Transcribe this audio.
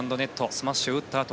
スマッシュを打ったあと